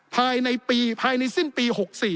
ภายในปีภายในสิ้นปี๖๔